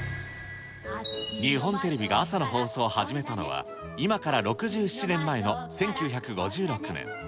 日本テレビが朝の放送を始めたのはいまから６７年前の１９５６年。